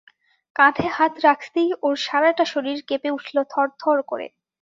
কাঁধে হাত রাখতেই ওর সারাটা শরীর কেঁপে উঠল থরথর করে।